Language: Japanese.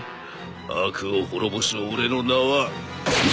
悪を滅ぼす俺の名はＺだ！